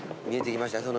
見えてきました